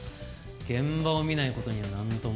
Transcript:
現場を見ない事にはなんとも。